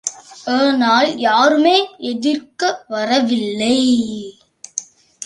ஆனால், யாருமே எதிர்க்க வரவில்லை.